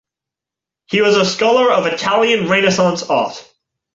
He was a scholar of Italian Renaissance art.